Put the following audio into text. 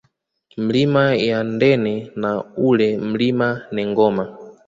Milima ya Ndene na ule Mlima wa Nengoma